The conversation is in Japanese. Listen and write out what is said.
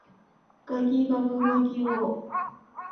ゴギガガガギゴ